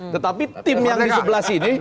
tetapi tim yang di sebelah sini